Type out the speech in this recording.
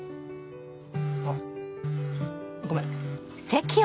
あっごめん。